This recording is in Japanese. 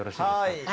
はい。